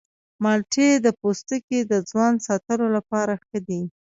مالټې د پوستکي د ځوان ساتلو لپاره ښه دي.